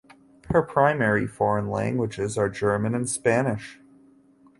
Her primary foreign languages are German and Spanish.